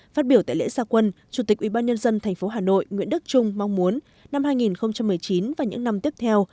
phát biểu tại lễ gia quân chủ tịch ubnd tp hà nội nguyễn đức trung mong muốn năm hai nghìn một mươi chín và những năm tiếp theo